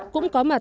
cũng có mặt